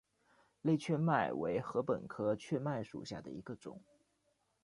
类雀麦为禾本科雀麦属下的一个种。